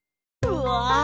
うわ！